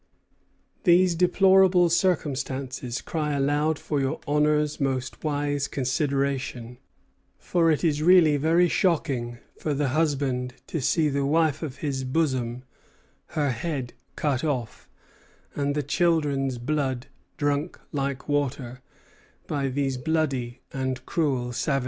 These deplorable circumstances cry aloud for your Honor's most wise consideration; for it is really very shocking for the husband to see the wife of his bosom her head cut off, and the children's blood drunk like water, by these bloody and cruel savages."